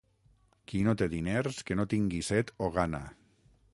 Qui no té diners que no tingui set o gana.